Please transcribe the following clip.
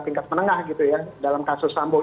tingkat menengah gitu ya dalam kasus sambo